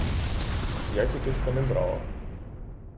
Я, тіточко, не брала.